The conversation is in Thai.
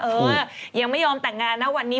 เออยังไม่ยอมแต่งงานนะวันนี้